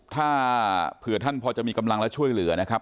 ถ้าเผื่อท่านพอจะมีกำลังและช่วยเหลือนะครับ